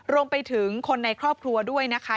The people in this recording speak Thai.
รวมไปถึงคนในครอบครัวด้วยนะคะ